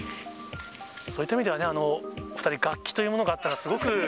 そういった意味では、お２人、楽器というものがあったらすごく。